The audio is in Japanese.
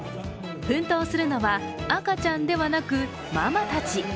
奮闘するのは赤ちゃんではなくママたち。